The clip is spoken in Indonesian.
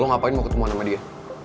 lo ngapain mau ketemu sama dia